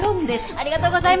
ありがとうございます！